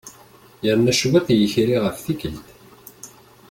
Yerna cwiṭ yekri ɣef tikkelt.